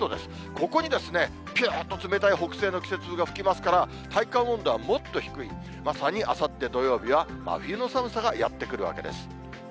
ここに、ぴゅーっと冷たい北西の季節風が吹きますから、体感温度はもっと低い、まさにあさって土曜日は、真冬の寒さがやって来るわけです。